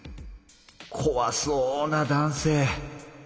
こわそうな男性。